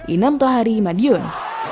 inam tahari madiun